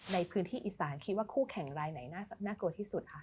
ในพื้นที่อีสานคิดว่าคู่แข่งรายไหนน่ากลัวที่สุดคะ